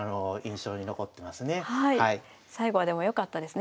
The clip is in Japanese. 最後はでもよかったですね